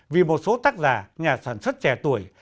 vì một số tác giả nhà sản xuất trẻ tuổi